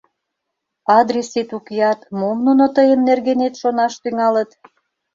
— Адресет укеат, мом нуно тыйын нергенет шонаш тӱҥалыт?